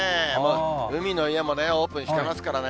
海の家もね、オープンしてますからね。